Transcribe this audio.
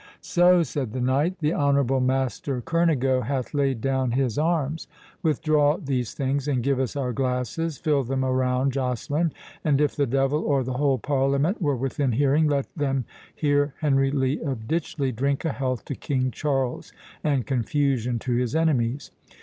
"Soh!" said the knight—"the honourable Master Kernigo hath laid down his arms.—Withdraw these things, and give us our glasses—Fill them around, Joceline; and if the devil or the whole Parliament were within hearing, let them hear Henry Lee of Ditchley drink a health to King Charles, and confusion to his enemies!"